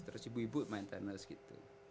terus ibu ibu main tenis gitu